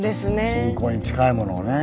信仰に近いものをね。